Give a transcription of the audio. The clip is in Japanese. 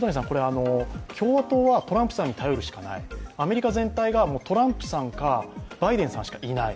共和党はトランプさんに頼るしかないアメリカ全体がトランプさんか、バイテンさんしかいない。